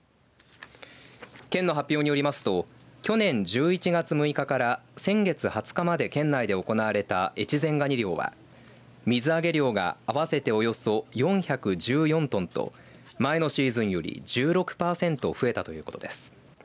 県の発表によりますと去年１１月６日から先月２０日まで県内で行われた越前がに漁は水揚げ量が合わせておよそ４１４トンと前のシーズンより１６パーセント増えたということです。